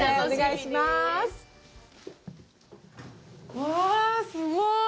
うわあ、すごーい。